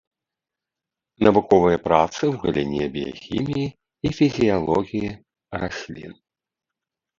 Навуковыя працы ў галіне біяхіміі і фізіялогіі раслін.